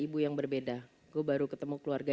ibu yang berbeda gue baru ketemu keluarga